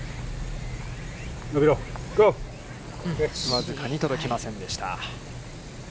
僅かに届きませんでした。